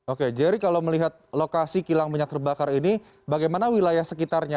oke jerry kalau melihat lokasi kilang minyak terbakar ini bagaimana wilayah sekitarnya